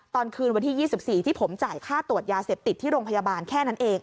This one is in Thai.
ตอนคืนวันที่๒๔ที่ผมจ่ายค่าตรวจยาเสพติดที่โรงพยาบาลแค่นั้นเอง